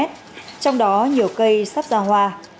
trong đó nhiều cây sắp ra hoa